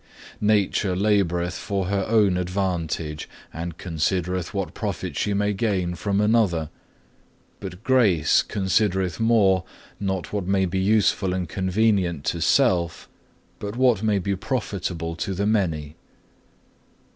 4. "Nature laboureth for her own advantage, and considereth what profit she may gain from another; but Grace considereth more, not what may be useful and convenient to self, but what may be profitable to the many.